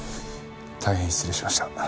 大変失礼しました。